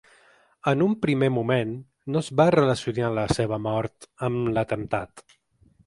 En un primer moment, no es va relacionar la seva mort amb l’atemptat.